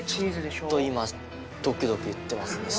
ちょっと今ドクドクいってますね心臓。